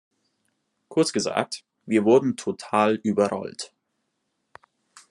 Kurz gesagt, wir wurden total überrollt.